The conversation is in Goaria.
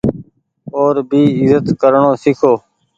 او ر ڀي ايزت ڪرڻو سيکو۔